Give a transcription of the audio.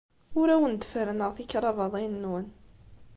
Ur awen-d-ferrneɣ tikrabaḍin-nwen.